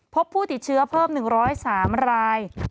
พบผู้ติดเชื้อเพิ่ม๑๐๓ราย